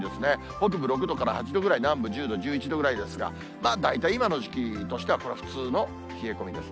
北部６度から８度ぐらい、南部１０度、１１度ぐらいですが、大体今の時期としては、これ、普通の冷え込みです。